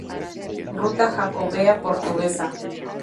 Ruta Jacobea Portuguesa